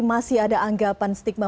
masih ada anggapan stigma